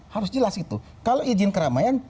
harus jelas itu kalau izin keramaian